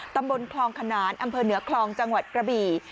ตำบลคลองขนานอำเภอเหนือคลองจังหวัดกระบี่